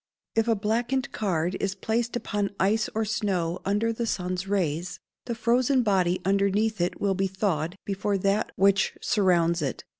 If a blackened card is placed upon ice or snow under the sun's rays, the frozen body underneath it will be thawed before that which surrounds it.